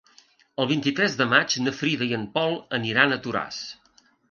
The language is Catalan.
El vint-i-tres de maig na Frida i en Pol aniran a Toràs.